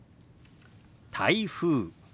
「台風」。